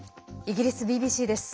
イギリスＢＢＣです。